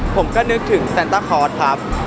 ผมก็นึกถึงซานต้าคอซครับ